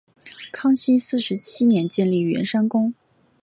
康熙四十七年建立圆山宫。